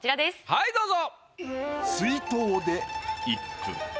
はいどうぞ。